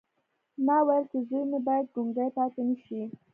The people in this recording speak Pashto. ما ویل چې زوی مې باید ګونګی پاتې نه شي